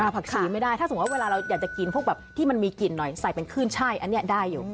ผักชีไม่ได้ถ้าสมมุติเวลาเราอยากจะกินพวกแบบที่มันมีกลิ่นหน่อยใส่เป็นขึ้นใช่อันนี้ได้อยู่